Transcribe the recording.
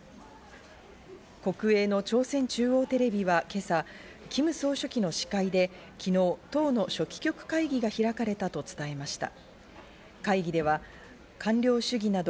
国営の朝鮮中央テレビは今朝、キム総書記の司会で昨日、党の書記局会議が開かれたと伝えました。